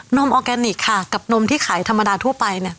มออร์แกนิคค่ะกับนมที่ขายธรรมดาทั่วไปเนี่ย